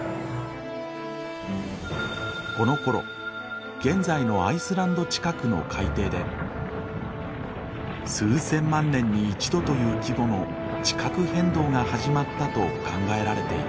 このころ現在のアイスランド近くの海底で数千万年に一度という規模の地殻変動が始まったと考えられている。